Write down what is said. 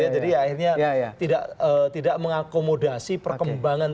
jadi akhirnya tidak mengakomodasi perkembangan teknologi